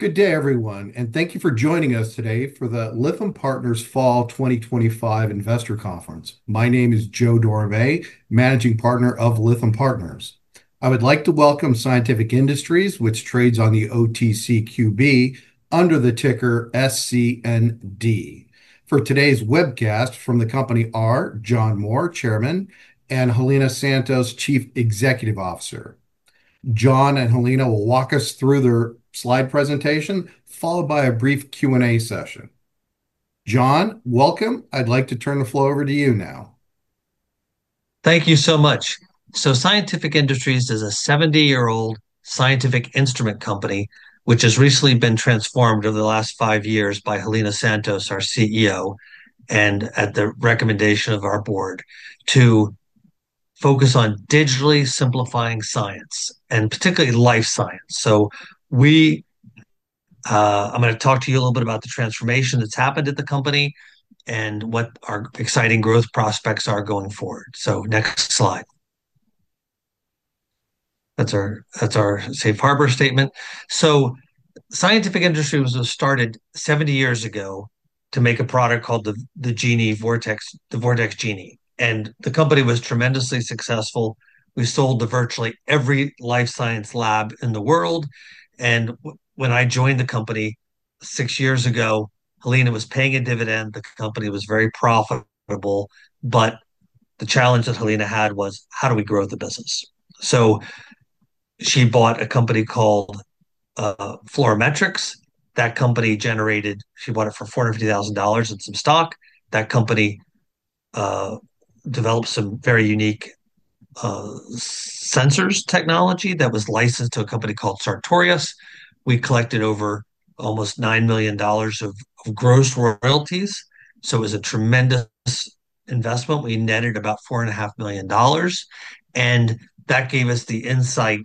Good day, everyone, and thank you for joining us today for the Lytham Partners Fall 2025 Investor Conference. My name is Joe Dorame, Managing Partner of Lytham Partners. I would like to welcome Scientific Industries, which trades on the OTCQB under the ticker SCND. For today's webcast, from the company are John Moore, Chairman, and Helena Santos, Chief Executive Officer. John and Helena will walk us through their slide presentation, followed by a brief Q&A session. John, welcome. I'd like to turn the floor over to you now. Thank you so much. Scientific Industries is a 70-year-old scientific instrument company, which has recently been transformed over the last five years by Helena Santos, our CEO, and at the recommendation of our board, to focus on digitally simplifying science and particularly life science. I'm going to talk to you a little bit about the transformation that's happened at the company and what our exciting growth prospects are going forward. Next slide. That's our safe harbor statement. Scientific Industries was started 70 years ago to make a product called the Genie, the Vortex-Genie. The company was tremendously successful. We sold to virtually every life science lab in the world. When I joined the company six years ago, Helena was paying a dividend. The company was very profitable. The challenge that Helena had was how do we grow the business? She bought a company called Fluorimetrix. She bought it for $450,000 in some stock. That company developed some very unique sensor technology that was licensed to a company called Sartorius. We collected over almost $9 million of gross royalties. It was a tremendous investment. We netted about $4.5 million. That gave us the insight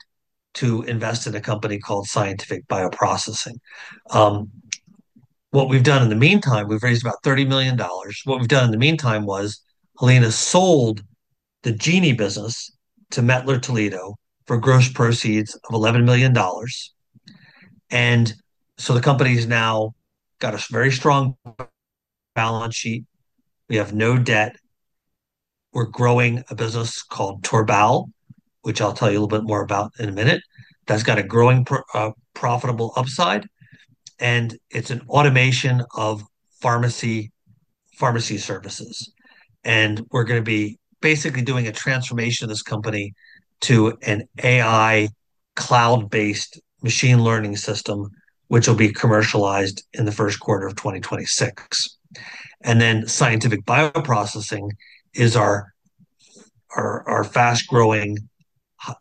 to invest in a company called Scientific Bioprocessing. In the meantime, we've raised about $30 million. Helena sold the Genie business to METTLER TOLEDO for gross proceeds of $11 million. The company's now got a very strong balance sheet. We have no debt. We're growing a business called Torbal, which I'll tell you a little bit more about in a minute. That's got a growing profitable upside. It's an automation of pharmacy services. We're going to be basically doing a transformation of this company to an AI cloud-based machine learning system, which will be commercialized in the first quarter of 2026. Scientific Bioprocessing is our fast-growing,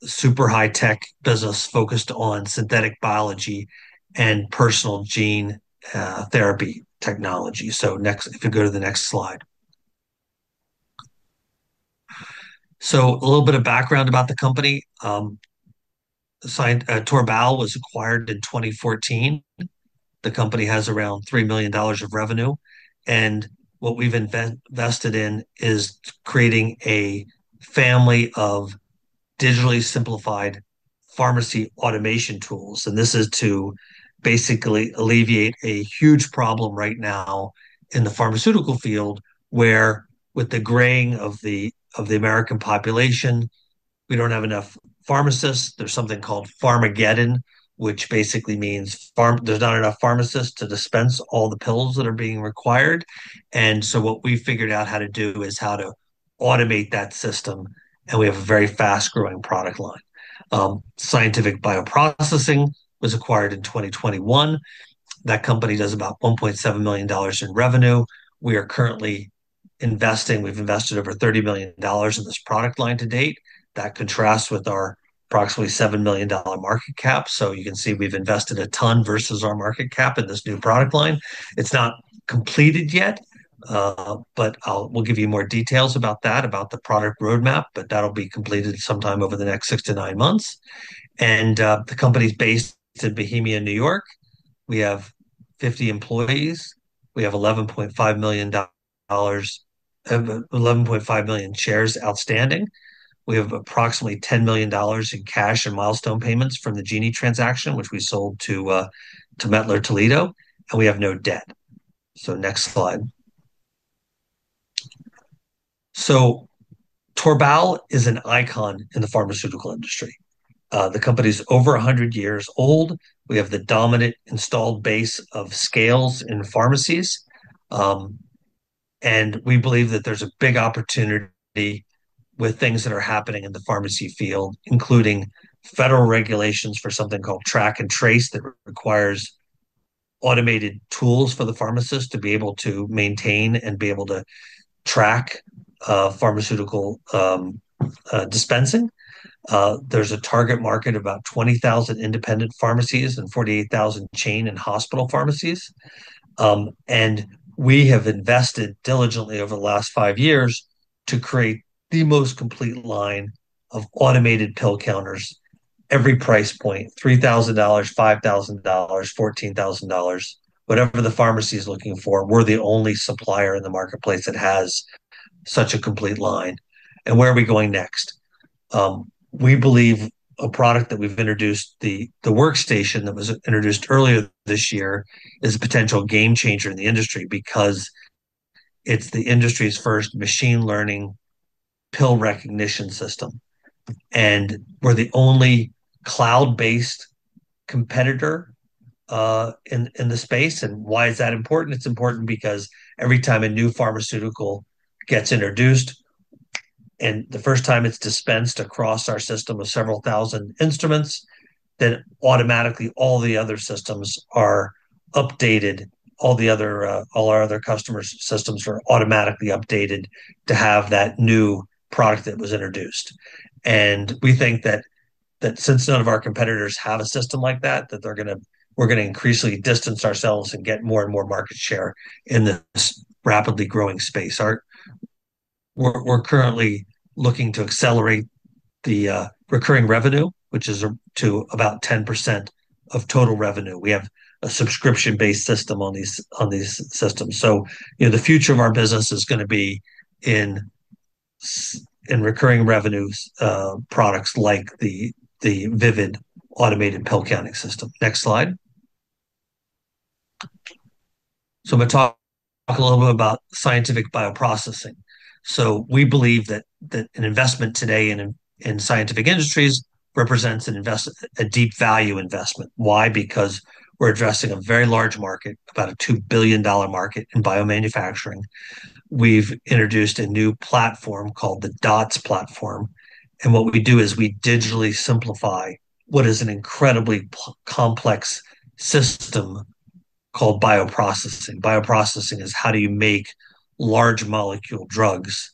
super high-tech business focused on synthetic biology and personal gene therapy technology. Next, if you could go to the next slide. A little bit of background about the company. Torbal was acquired in 2014. The company has around $3 million of revenue. What we've invested in is creating a family of digitally simplified pharmacy automation tools. This is to basically alleviate a huge problem right now in the pharmaceutical field where, with the graying of the American population, we don't have enough pharmacists. There's something called pharmageddon, which basically means there's not enough pharmacists to dispense all the pills that are being required. What we figured out how to do is how to automate that system. We have a very fast-growing product line. Scientific Bioprocessing was acquired in 2021. That company does about $1.7 million in revenue. We are currently investing, we've invested over $30 million in this product line to date. That contrasts with our approximately $7 million market cap. You can see we've invested a ton versus our market cap in this new product line. It's not completed yet. We'll give you more details about that, about the product roadmap. That'll be completed sometime over the next six to nine months. The company's based in Bohemia, New York. We have 50 employees. We have $11.5 million shares outstanding. We have approximately $10 million in cash and milestone payments from the Genie transaction, which we sold to METTLER TOLEDO. We have no debt. Next slide. Torbal is an icon in the pharmaceutical industry. The company's over 100 years old. We have the dominant installed base of scales in pharmacies. We believe that there's a big opportunity with things that are happening in the pharmacy field, including federal regulations for something called Track and Trace that requires automated tools for the pharmacist to be able to maintain and be able to track pharmaceutical dispensing. There's a target market of about 20,000 independent pharmacies and 48,000 chain and hospital pharmacies. We have invested diligently over the last five years to create the most complete line of automated pill counters at every price point: $3,000, $5,000, $14,000, whatever the pharmacy is looking for. We're the only supplier in the marketplace that has such a complete line. Where are we going next? We believe a product that we've introduced, the Workstation that was introduced earlier this year, is a potential game changer in the industry because it's the industry's first machine learning pill recognition system. We're the only cloud-based competitor in the space. Why is that important? It's important because every time a new pharmaceutical gets introduced, and the first time it's dispensed across our system of several thousand instruments, automatically all the other systems are updated. All our other customers' systems are automatically updated to have that new product that was introduced. We think that since none of our competitors have a system like that, we're going to increasingly distance ourselves and get more and more market share in this rapidly growing space. We're currently looking to accelerate the recurring revenue, which is to about 10% of total revenue. We have a subscription-based system on these systems. The future of our business is going to be in recurring revenue products like the VIVID automated pill counting system. Next slide. I'm going to talk a little bit about Scientific Bioprocessing. We believe that an investment today in Scientific Industries represents a deep value investment. Why? Because we're addressing a very large market, about a $2 billion market in biomanufacturing. We've introduced a new platform called the DOTS platform. What we do is we digitally simplify what is an incredibly complex system called bioprocessing. Bioprocessing is how you make large molecule drugs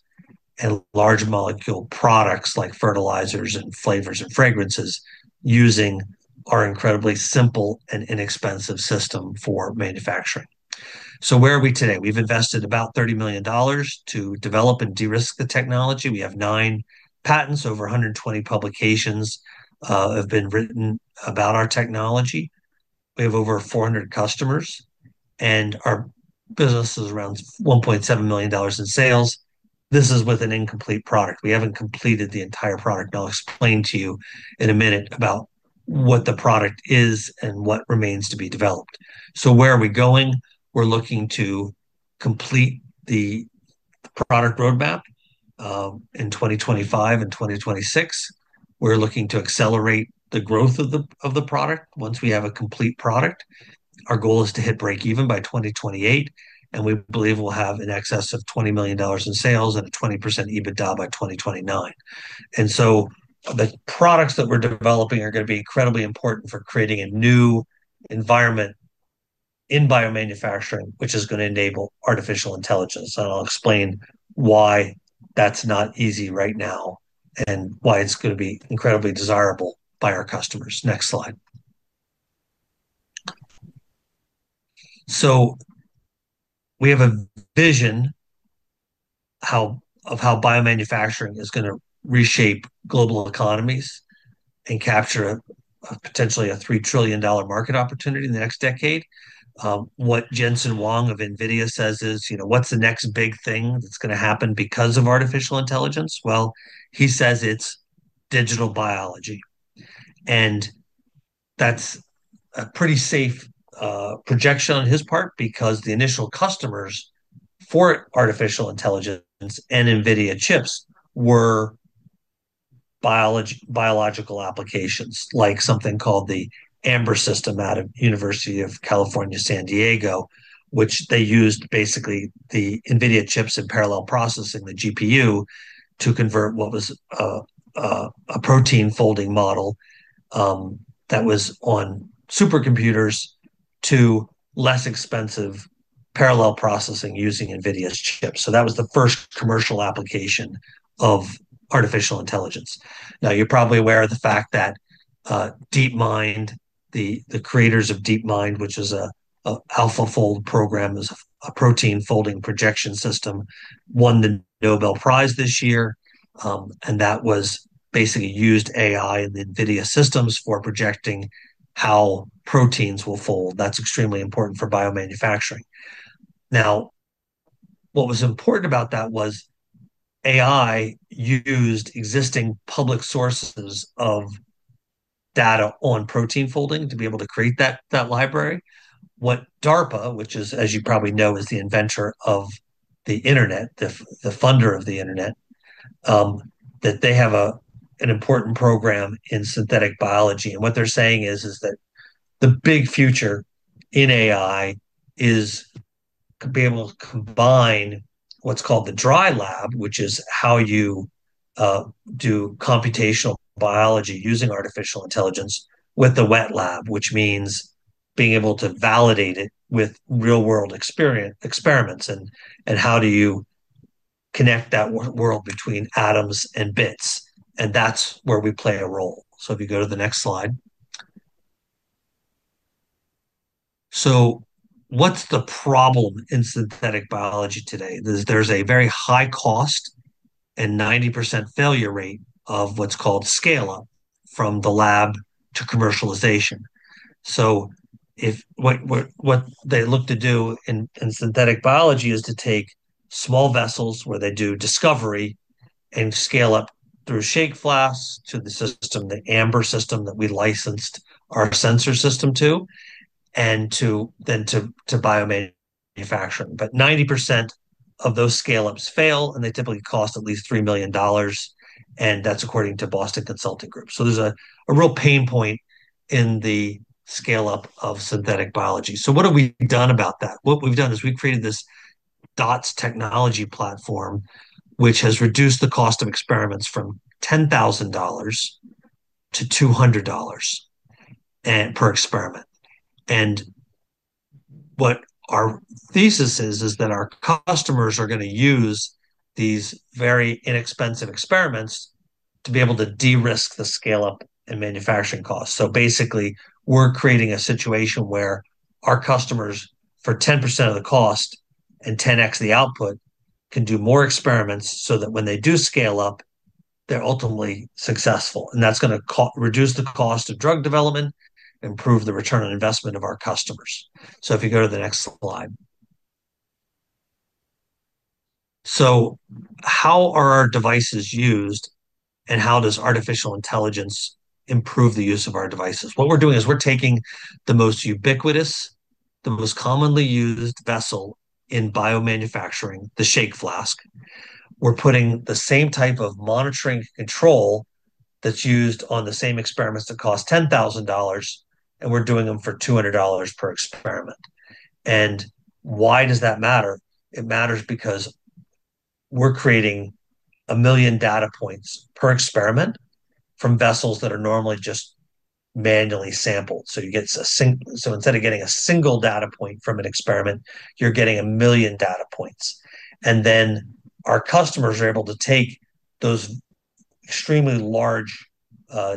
and large molecule products like fertilizers and flavors and fragrances using our incredibly simple and inexpensive system for manufacturing. Where are we today? We've invested about $30 million to develop and de-risk the technology. We have nine patents. Over 120 publications have been written about our technology. We have over 400 customers. Our business is around $1.7 million in sales. This is with an incomplete product. We haven't completed the entire product. I'll explain to you in a minute about what the product is and what remains to be developed. Where are we going? We're looking to complete the product roadmap in 2025 and 2026. We're looking to accelerate the growth of the product once we have a complete product. Our goal is to hit break-even by 2028. We believe we'll have in excess of $20 million in sales and 20% EBITDA by 2029. The products that we're developing are going to be incredibly important for creating a new environment in biomanufacturing, which is going to enable artificial intelligence. I'll explain why that's not easy right now and why it's going to be incredibly desirable by our customers. Next slide. We have a vision of how biomanufacturing is going to reshape global economies and capture potentially a $3 trillion market opportunity in the next decade. What Jensen Huang of NVIDIA says is, you know, what's the next big thing that's going to happen because of artificial intelligence? He says it's digital biology. That's a pretty safe projection on his part because the initial customers for artificial intelligence and NVIDIA chips were biological applications, like something called the AMBER system out of the University of California, San Diego, which used basically the NVIDIA chips in parallel processing, the GPU, to convert what was a protein folding model that was on supercomputers to less expensive parallel processing using NVIDIA's chips. That was the first commercial application of artificial intelligence. You're probably aware of the fact that DeepMind, the creators of DeepMind, which is an AlphaFold program, is a protein folding projection system, won the Nobel Prize this year. That basically used AI in the NVIDIA systems for projecting how proteins will fold. That's extremely important for biomanufacturing. What was important about that was AI used existing public sources of data on protein folding to be able to create that library. DARPA, which is, as you probably know, the inventor of the internet, the funder of the internet, has an important program in synthetic biology. What they're saying is that the big future in AI is to be able to combine what's called the dry lab, which is how you do computational biology using artificial intelligence, with the wet lab, which means being able to validate it with real-world experiments. How do you connect that world between atoms and bits? That's where we play a role. If you go to the next slide. What's the problem in synthetic biology today? There's a very high cost and 90% failure rate of what's called scale-up from the lab to commercialization. What they look to do in synthetic biology is to take small vessels where they do discovery and scale up through shake flasks to the system, the AMBER system that we licensed our sensor system to, and then to biomanufacturing. 90% of those scale-ups fail, and they typically cost at least $3 million. That's according to Boston Consulting Group. There's a real pain point in the scale-up of synthetic biology. What have we done about that? What we've done is we've created this DOTS technology platform, which has reduced the cost of experiments from $10,000 to $200 per experiment. What our thesis is, is that our customers are going to use these very inexpensive experiments to be able to de-risk the scale-up and manufacturing costs. Basically, we're creating a situation where our customers, for 10% of the cost and 10x the output, can do more experiments so that when they do scale up, they're ultimately successful. That's going to reduce the cost of drug development and improve the return on investment of our customers. If you go to the next slide. How are our devices used, and how does artificial intelligence improve the use of our devices? What we're doing is we're taking the most ubiquitous, the most commonly used vessel in biomanufacturing, the shake flask. We're putting the same type of monitoring control that's used on the same experiments that cost $10,000, and we're doing them for $200 per experiment. Why does that matter? It matters because we're creating a million data points per experiment from vessels that are normally just manually sampled. Instead of getting a single data point from an experiment, you're getting a million data points. Our customers are able to take those extremely large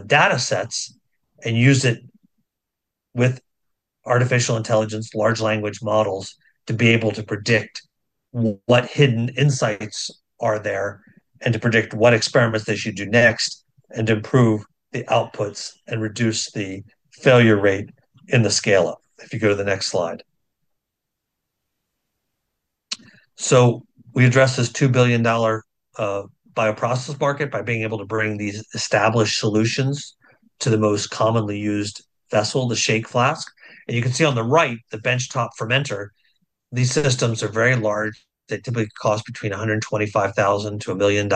data sets and use it with artificial intelligence, large language models, to be able to predict what hidden insights are there and to predict what experiments they should do next and to improve the outputs and reduce the failure rate in the scale-up. If you go to the next slide. We address this $2 billion bioprocess market by being able to bring these established solutions to the most commonly used vessel, the shake flask. You can see on the right, the benchtop fermenter. These systems are very large. They typically cost between $125,000 to $1 million.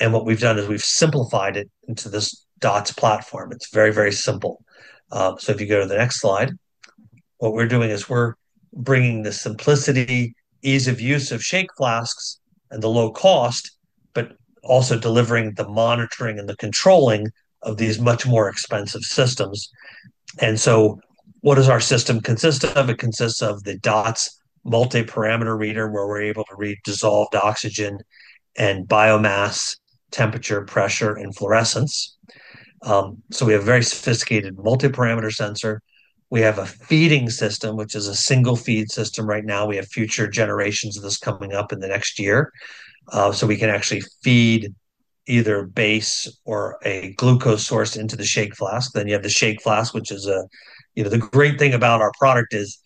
What we've done is we've simplified it into this DOTS platform. It's very, very simple. If you go to the next slide, what we're doing is we're bringing the simplicity, ease of use of shake flasks, and the low cost, but also delivering the monitoring and the controlling of these much more expensive systems. What does our system consist of? It consists of the DOTS multiparameter reader, where we're able to read dissolved oxygen and biomass, temperature, pressure, and fluorescence. We have a very sophisticated multiparameter sensor. We have a feeding system, which is a single feed system. Right now, we have future generations of this coming up in the next year. We can actually feed either base or a glucose source into the shake flask. The great thing about our product is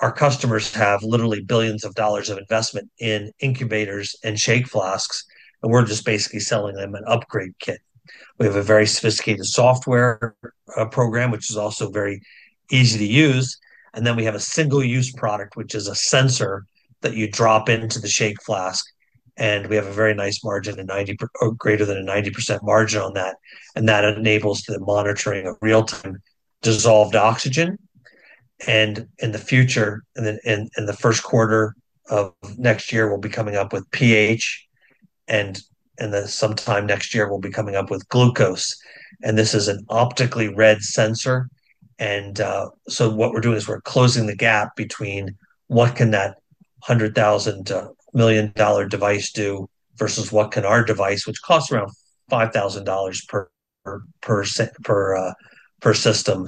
our customers have literally billions of dollars of investment in incubators and shake flasks. We're basically selling them an upgrade kit. We have a very sophisticated software program, which is also very easy to use. We have a single-use product, which is a sensor that you drop into the shake flask. We have a very nice margin of greater than a 90% margin on that. That enables the monitoring of real-time dissolved oxygen. In the first quarter of next year, we'll be coming up with pH. Sometime next year, we'll be coming up with glucose. This is an optically read sensor. What we're doing is we're closing the gap between what can that $100 million device do versus what can our device, which costs around $5,000 per system,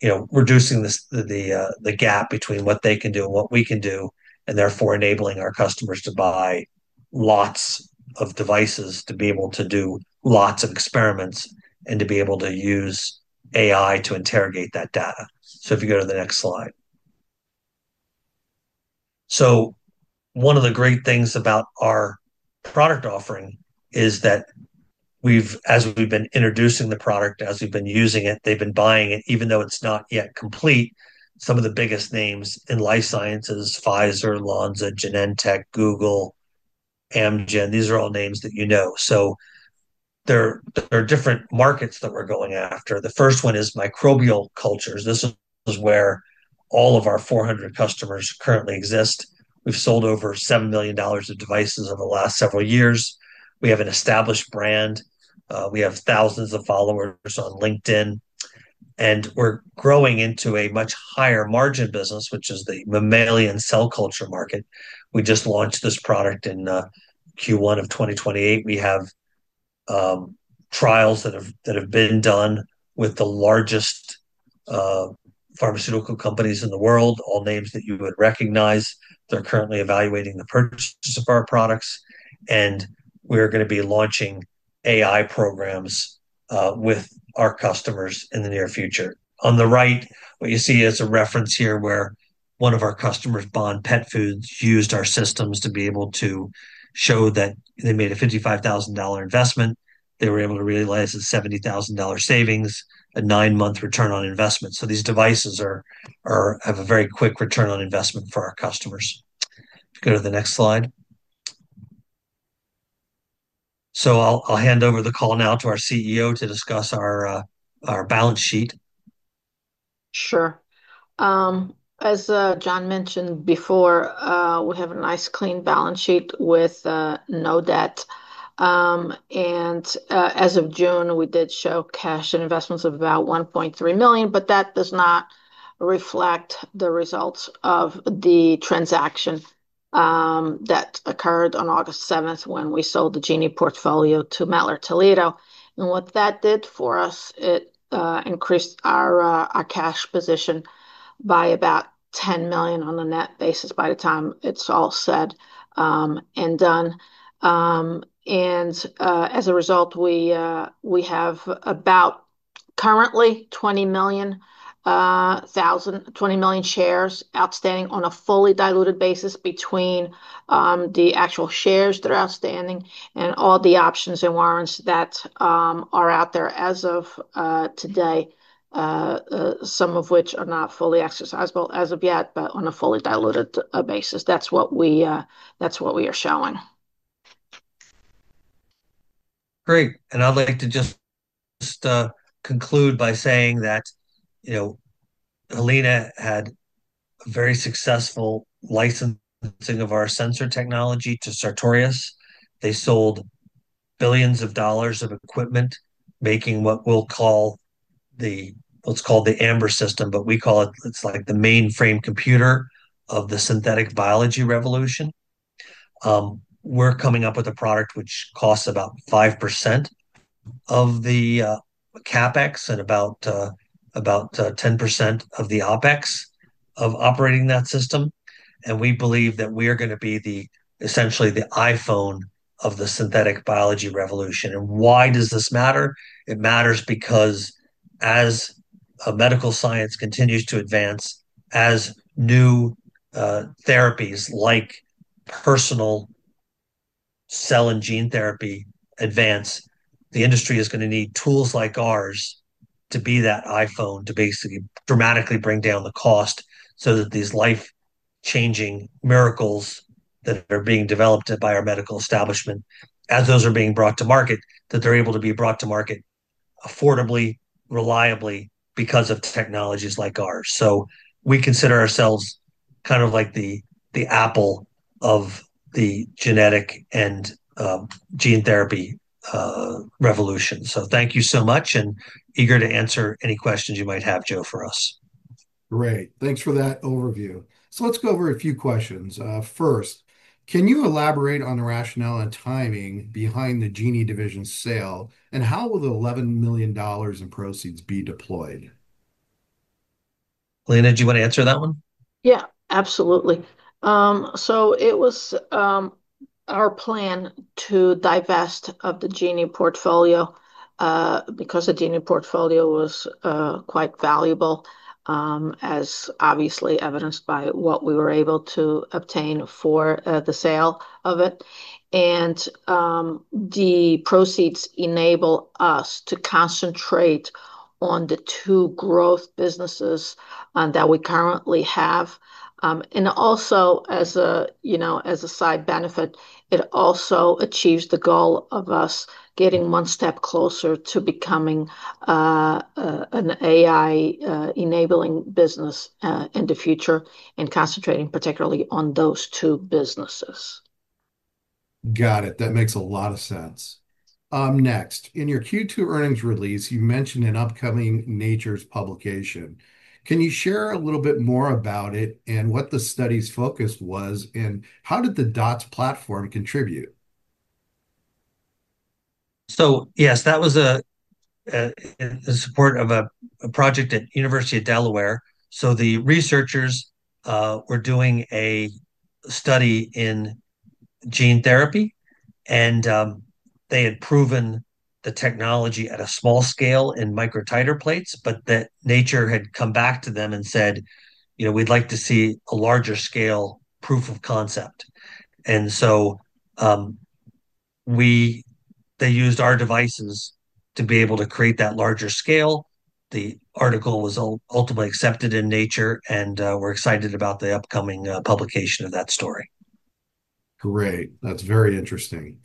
do, reducing the gap between what they can do and what we can do, and therefore enabling our customers to buy lots of devices to be able to do lots of experiments and to be able to use AI to interrogate that data. One of the great things about our product offering is that as we've been introducing the product, as we've been using it, they've been buying it, even though it's not yet complete. Some of the biggest names in life sciences: Pfizer, Lonza, Genentech, Google, Amgen, these are all names that you know. There are different markets that we're going after. The first one is microbial cultures. This is where all of our 400 customers currently exist. We've sold over $7 million of devices over the last several years. We have an established brand. We have thousands of followers on LinkedIn. We're growing into a much higher margin business, which is the mammalian cell culture market. We just launched this product in Q1 of 2028. We have trials that have been done with the largest pharmaceutical companies in the world, all names that you would recognize. They're currently evaluating the purchases of our products. We are going to be launching AI programs with our customers in the near future. On the right, what you see is a reference here where one of our customers, Bond Pet Foods, used our systems to be able to show that they made a $55,000 investment. They were able to realize a $70,000 savings, a nine-month return on investment. These devices have a very quick return on investment for our customers. Please go to the next slide. I'll hand over the call now to our CEO to discuss our balance sheet. Sure. As John mentioned before, we have a nice clean balance sheet with no debt. As of June, we did show cash and investments of about $1.3 million, but that does not reflect the results of the transaction that occurred on August 7, when we sold the Genie portfolio to METTLER TOLEDO. What that did for us, it increased our cash position by about $10 million on a net basis by the time it's all said and done. As a result, we have about currently 20 million shares outstanding on a fully diluted basis between the actual shares that are outstanding and all the options and warrants that are out there as of today, some of which are not fully exercisable as of yet, but on a fully diluted basis, that's what we are showing. Great. I'd like to just conclude by saying that Helena had very successful licensing of our sensor technology to Sartorius. They sold billions of dollars of equipment, making what we'll call the, let's call it the AMBER system, but we call it, it's like the mainframe computer of the synthetic biology revolution. We're coming up with a product which costs about 5% of the CapEx and about 10% of the OpEx of operating that system. We believe that we are going to be essentially the iPhone of the synthetic biology revolution. Why does this matter? It matters because as medical science continues to advance, as new therapies like personal cell and gene therapy advance, the industry is going to need tools like ours to be that iPhone, to basically dramatically bring down the cost so that these life-changing miracles that are being developed by our medical establishment, as those are being brought to market, that they're able to be brought to market affordably, reliably because of technologies like ours. We consider ourselves kind of like the Apple of the genetic and gene therapy revolution. Thank you so much, and eager to answer any questions you might have, Joe, for us. Great. Thanks for that overview. Let's go over a few questions. First, can you elaborate on the rationale and timing behind the Genie division's sale? How will the $11 million in proceeds be deployed? Helena, do you want to answer that one? Absolutely. It was our plan to divest of the Genie portfolio because the Genie portfolio was quite valuable, as obviously evidenced by what we were able to obtain for the sale of it. The proceeds enable us to concentrate on the two growth businesses that we currently have. Also, as a side benefit, it achieves the goal of us getting one step closer to becoming an AI-enabling business in the future and concentrating particularly on those two businesses. Got it. That makes a lot of sense. Next, in your Q2 earnings release, you mentioned an upcoming Nature publication. Can you share a little bit more about it and what the study's focus was, and how did the DOTS platform contribute? That was in support of a project at the University of Delaware. The researchers were doing a study in gene therapy, and they had proven the technology at a small scale in microtiter plates, but Nature had come back to them and said, you know, we'd like to see a larger scale proof of concept. They used our devices to be able to create that larger scale. The article was ultimately accepted in Nature, and we're excited about the upcoming publication of that story. Great. That's very interesting.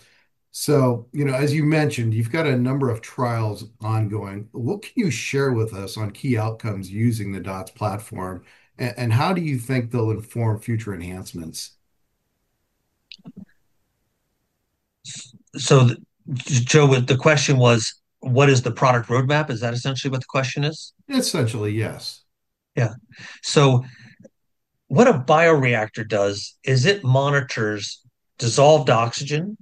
As you mentioned, you've got a number of trials ongoing. What can you share with us on key outcomes using the DOTS platform? How do you think they'll inform future enhancements? Joe, the question was, what is the product roadmap? Is that essentially what the question is? Essentially, yes. Yeah. What a bioreactor does is it monitors dissolved oxygen,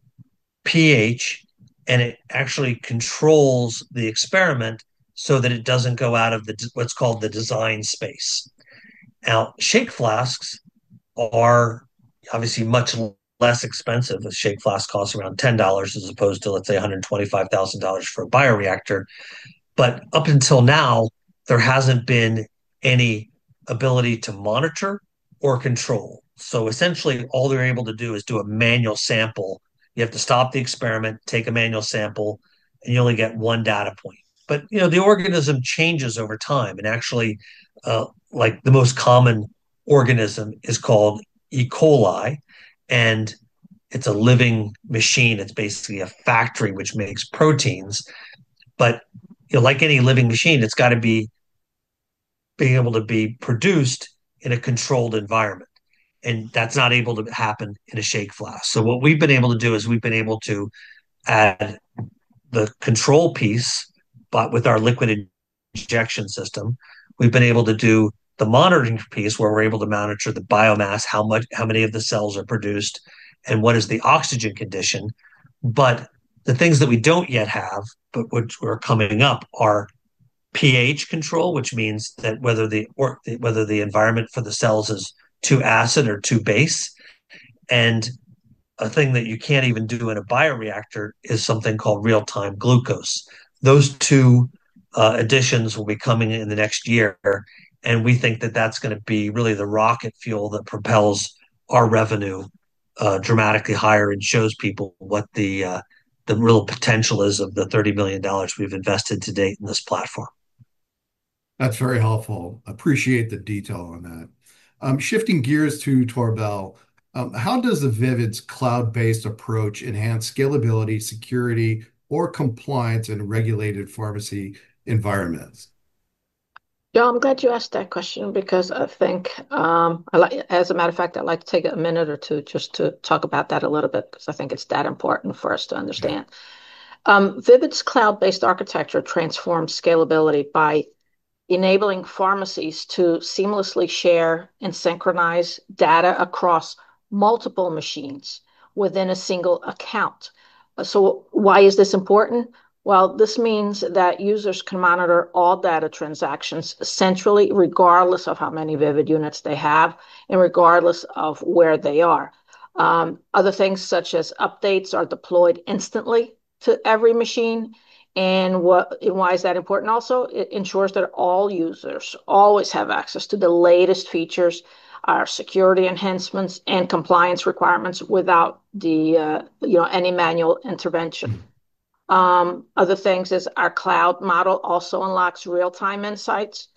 pH, and it actually controls the experiment so that it doesn't go out of what's called the design space. Shake flasks are obviously much less expensive. A shake flask costs around $10 as opposed to, let's say, $125,000 for a bioreactor. Up until now, there hasn't been any ability to monitor or control. Essentially, all they're able to do is do a manual sample. You have to stop the experiment, take a manual sample, and you only get one data point. The organism changes over time. Actually, the most common organism is called E. coli, and it's a living machine that's basically a factory which makes proteins. Like any living machine, it's got to be able to be produced in a controlled environment. That's not able to happen in a shake flask. What we've been able to do is we've been able to add the control piece, but with our liquid injection system, we've been able to do the monitoring piece where we're able to monitor the biomass, how many of the cells are produced, and what is the oxygen condition. The things that we don't yet have, but which are coming up, are pH control, which means whether the environment for the cells is too acid or too base. A thing that you can't even do in a bioreactor is something called real-time glucose. Those two additions will be coming in the next year. We think that that's going to be really the rocket fuel that propels our revenue dramatically higher and shows people what the real potential is of the $30 million we've invested to date in this platform. That's very helpful. I appreciate the detail on that. Shifting gears to Torbal, how does the VIVID's cloud-based approach enhance scalability, security, or compliance in a regulated pharmacy environment? Joe, I'm glad you asked that question because I think, as a matter of fact, I'd like to take a minute or two just to talk about that a little bit because I think it's that important for us to understand. VIVID's cloud-based architecture transforms scalability by enabling pharmacies to seamlessly share and synchronize data across multiple machines within a single account. This is important because it means that users can monitor all data transactions centrally, regardless of how many VIVID units they have and regardless of where they are. Other things such as updates are deployed instantly to every machine. This is also important because it ensures that all users always have access to the latest features, our security enhancements, and compliance requirements without any manual intervention. Our cloud model also unlocks real-time insights.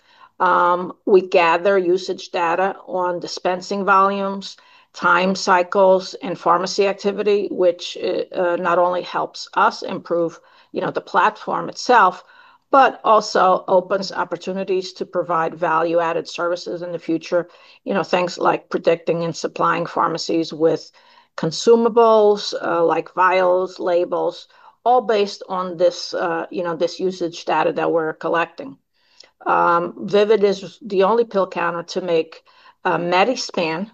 We gather usage data on dispensing volumes, time cycles, and pharmacy activity, which not only helps us improve the platform itself, but also opens opportunities to provide value-added services in the future. Things like predicting and supplying pharmacies with consumables like vials and labels, all based on this usage data that we're collecting. VIVID is the only pill counter to make Medispan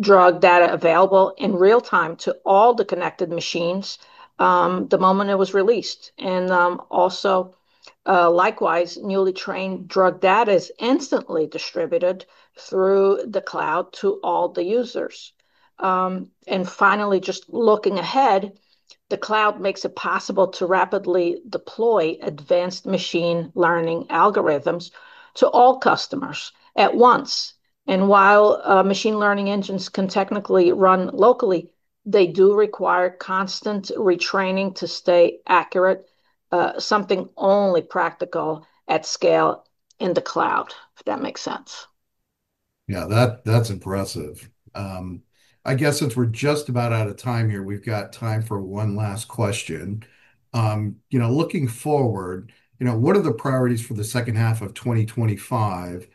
drug data available in real time to all the connected machines the moment it was released. Likewise, newly trained drug data is instantly distributed through the cloud to all the users. Finally, just looking ahead, the cloud makes it possible to rapidly deploy advanced machine learning algorithms to all customers at once. While machine learning engines can technically run locally, they do require constant retraining to stay accurate, something only practical at scale in the cloud, if that makes sense. Yeah, that's impressive. I guess since we're just about out of time here, we've got time for one last question. Looking forward, what are the priorities for the second half of 2025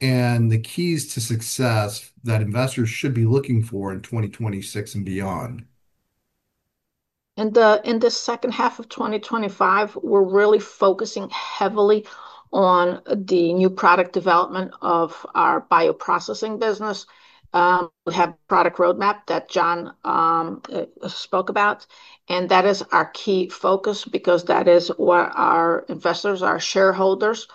and the keys to success that investors should be looking for in 2026 and beyond? In the second half of 2025, we're really focusing heavily on the new product development of our bioprocessing business. We have a product roadmap that John spoke about. That is our key focus because that is what our investors, our shareholders,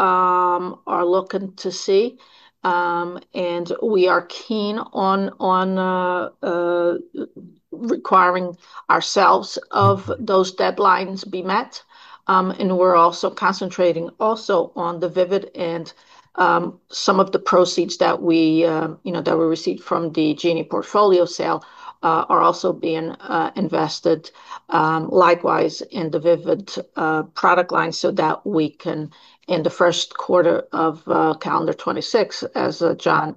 are looking to see. We are keen on requiring ourselves of those deadlines to be met. We're also concentrating on the VIVID, and some of the proceeds that we received from the Genie portfolio sale are also being invested, likewise, in the VIVID product line so that we can, in the first quarter of calendar 2026, as John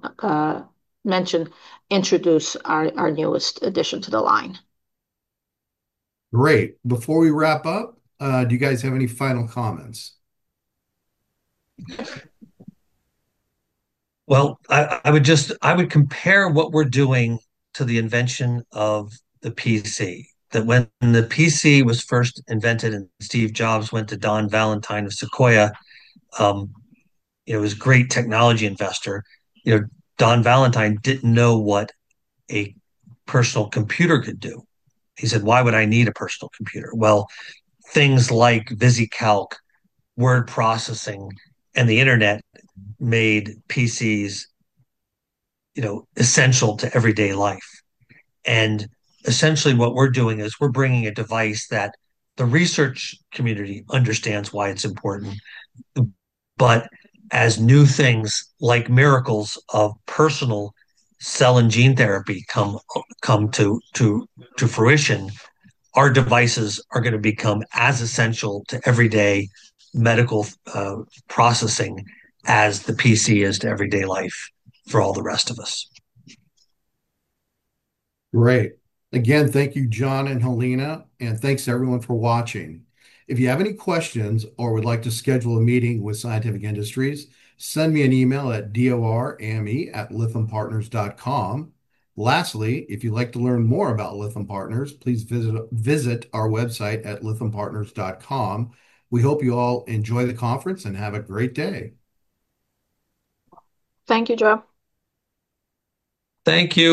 mentioned, introduce our newest addition to the line. Great. Before we wrap up, do you guys have any final comments? I would compare what we're doing to the invention of the PC. When the PC was first invented and Steve Jobs went to Don Valentine of Sequoia, you know, he was a great technology investor. Don Valentine didn't know what a personal computer could do. He said, "Why would I need a personal computer?" Things like VisiCalc, word processing, and the internet made PCs essential to everyday life. Essentially, what we're doing is we're bringing a device that the research community understands why it's important. As new things like miracles of personal cell and gene therapy come to fruition, our devices are going to become as essential to everyday medical processing as the PC is to everyday life for all the rest of us. Right. Again, thank you, John and Helena, and thanks everyone for watching. If you have any questions or would like to schedule a meeting with Scientific Industries, send me an email at dorame@lythampartners.com. Lastly, if you'd like to learn more about Lytham Partners, please visit our website at lythampartners.com. We hope you all enjoy the conference and have a great day. Thank you, Joe. Thank you.